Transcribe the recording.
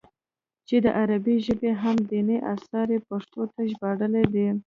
چې د عربي ژبې اهم ديني اثار ئې پښتو ته ژباړلي دي